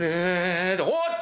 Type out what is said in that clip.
「おおっと！